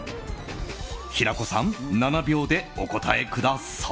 平子さん、７秒でお答えください。